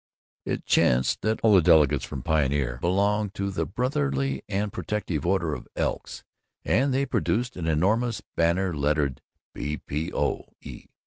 It chanced that all the delegates from Pioneer belonged to the Brotherly and Protective Order of Elks, and they produced an enormous banner lettered: "B. P. O. E.